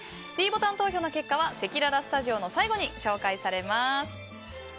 ｄボタン投票の結果はせきららスタジオの最後に紹介されます。